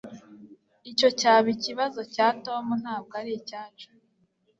Icyo cyaba ikibazo cya Tom ntabwo aricyacu